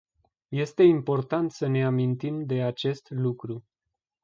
Este important să ne amintim de acest lucru.